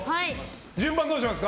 順番、どうしますか？